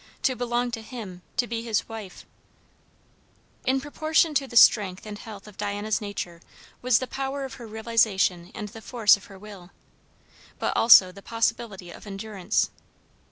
to belong to him, to be his wife In proportion to the strength and health of Diana's nature was the power of her realization and the force of her will. But also the possibility of endurance.